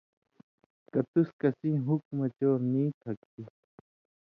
کہ تُس کسیں حُکمہ چور نی تھہ کھیں